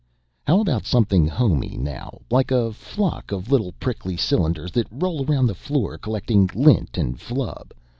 "How about something homey now, like a flock of little prickly cylinders that roll around the floor collecting lint and flub?